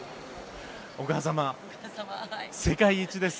お母様、世界一です。